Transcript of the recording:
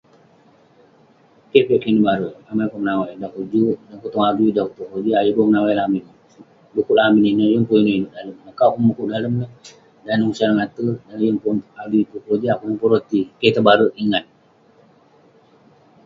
Keh piak kik nebare ; Amai kok menawai. Dan kok juk, dan kok tong adui, dan kok tong keroja iboh menawai lamin. Dekuk lamin ineh yeng pun inouk inouk dalem. Nak kauk peh mukuk dalem neh, dan neh usan mengate, dan neh yeng pun adui, yeng pun keroja, yeng pun roti. Keh tebare kik ngan.